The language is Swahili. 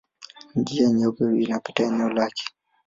Njia Nyeupe inapita eneo lake.